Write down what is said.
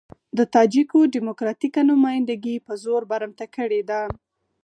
د تاجکو ډيموکراتيکه نمايندګي په زور برمته کړې ده.